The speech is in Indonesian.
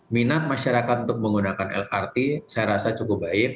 minat masyarakat untuk menggunakan lrt saya rasa cukup baik